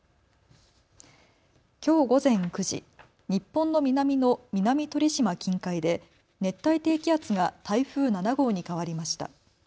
きょう午前９時、日本の南の南鳥島近海で熱帯低気圧が台風７号に変わりました。